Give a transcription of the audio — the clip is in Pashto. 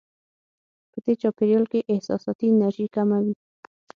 په دې چاپېریال کې احساساتي انرژي کمه وي.